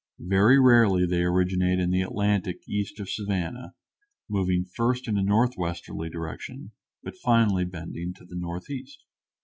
Very rarely they originate in the Atlantic east of Savannah, moving first in a northwesterly direction, but finally bending to the northeast.